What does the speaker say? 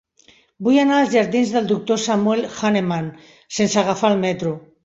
Vull anar als jardins del Doctor Samuel Hahnemann sense agafar el metro.